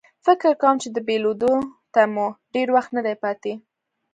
فکر کوم چې له بېلېدو ته مو ډېر وخت نه دی پاتې.